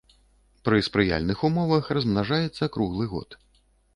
Пры спрыяльных умовах размнажаецца круглы год.